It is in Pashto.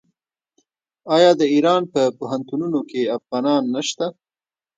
آیا د ایران په پوهنتونونو کې افغانان نشته؟